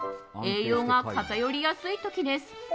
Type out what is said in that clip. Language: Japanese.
栄養が偏りやすい時です。